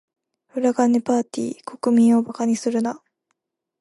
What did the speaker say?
裏金パーティ？国民を馬鹿にするな。